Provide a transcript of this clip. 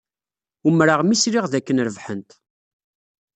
Umreɣ mi sliɣ dakken rebḥent.